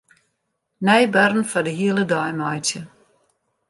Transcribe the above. Nij barren foar de hiele dei meitsje.